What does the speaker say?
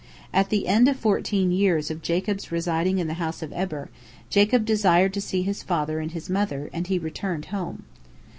And at the end of fourteen years of Jacob's residing in the house of Eber, Jacob desired to see his father and his mother, and he returned home.